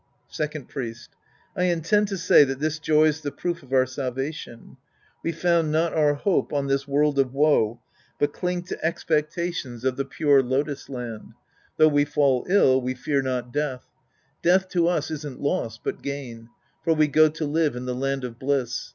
Second Priest. I intend to say that this joy's the proof of our salvation. We found not our hope on this world of woe, but cling to expectations of the 66 The Priest and His Disciples Act II pure lotus land. Though we fall ill, we fear not death. Death to us isn't loss,* but gain. For we go to live in the land of bliss.